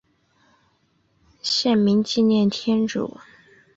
县名纪念天主教与东正教殉道圣人圣路济亚。